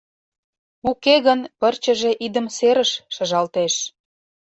Уке гын, пырчыже идым серыш шыжалтеш.